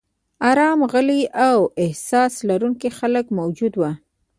ارام، غلي او احساس لرونکي خلک موجود و.